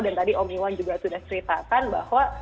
dan tadi om iwan juga sudah ceritakan bahwa